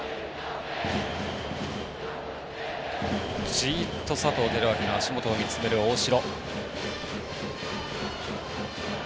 じーっと佐藤輝明の足元を見つめる大城。